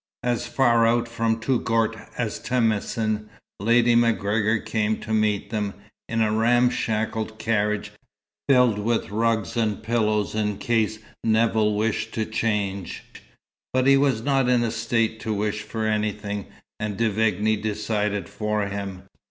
As far out from Touggourt as Temacin, Lady MacGregor came to meet them, in a ramshackle carriage, filled with rugs and pillows in case Nevill wished to change. But he was not in a state to wish for anything, and De Vigne decided for him.